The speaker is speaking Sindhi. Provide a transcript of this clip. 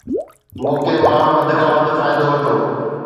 موقعي مان وڌ کان وڌ فائدو وٺو